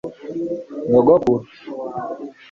nyogokuru